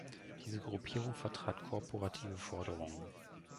Diese Gruppierung vertrat korporative Forderungen.